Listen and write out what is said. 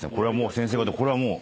先生方これはもう。